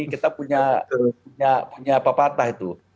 kita punya pepatah itu